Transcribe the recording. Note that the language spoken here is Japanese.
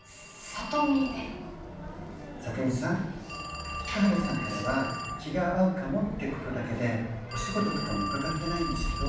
サトミさん菊原さんからは気が合うかもってことだけでお仕事とかも伺ってないんですけど。